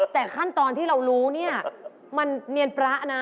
แต่ขั้นตอนที่เรารู้เนี่ยมันเนียนพระนะ